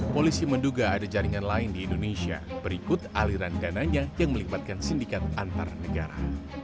polisi menduga ada jaringan lain di indonesia berikut aliran dananya yang melibatkan sindikat antar negara